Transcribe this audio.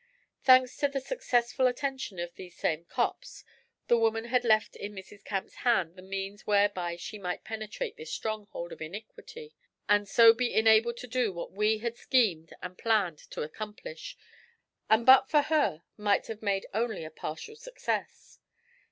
Thanks to the successful attention of these same 'cops,' the woman had left in Mrs. Camp's hands the means whereby she might penetrate this stronghold of iniquity, and so be enabled to do what we had schemed and planned to accomplish, and but for her might have made only a partial success.